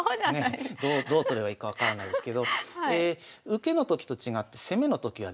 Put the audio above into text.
どう取ればいいか分からないですけど受けのときと違って攻めのときはですね